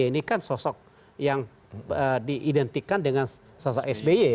ini kan sosok yang diidentikan dengan sosok sby